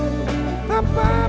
aku mau menampingi dirimu